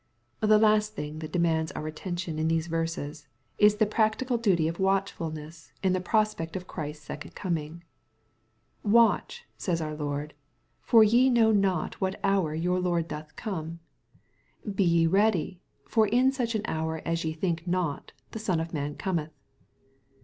The last thing that demands our attention in these verses, is the practical duty of watchfulness in the pros^ pect of Ohrisfs second coming. "Watch," says our Lord, " for ye know not what hour your Lord doth come.'* Be ye ready, for in such an hour as ye think not, the Son of man cometh."